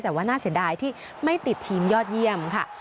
แต่ว่าน่าเสียดายที่ไม่ติดทีมยอดเยี่ยมค่ะ